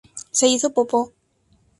Se hizo popo